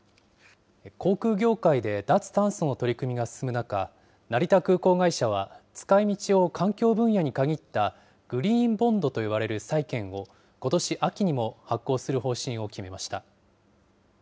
航空業界で脱炭素の取り組みが進む中、成田空港会社は使いみちを環境分野に限ったグリーンボンドと呼ばれる債券を、ことし秋にも発行する方針を決めました。